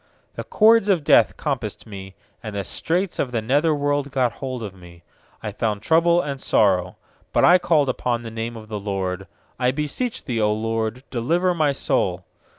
3The cords of death compassed me, And the straits of the nether worlc got hold upon me; I found trouble and sorrow. 4But I called upon the name of th* LORD: 'I beseech Thee, 0 LORD, delivei my soul.